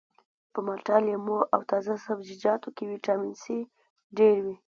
په مالټه لیمو او تازه سبزیجاتو کې ویټامین سي ډیر وي